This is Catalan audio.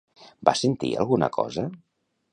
Va sentir alguna cosa?